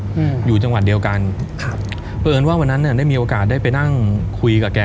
อืมอยู่จังหวัดเดียวกันครับเพราะเอิญว่าวันนั้นเนี้ยได้มีโอกาสได้ไปนั่งคุยกับแก